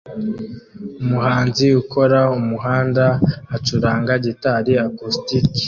Umuhanzi ukora umuhanda acuranga gitari acoustic